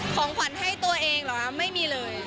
ของขวัญให้ตัวเองเหรอคะไม่มีเลย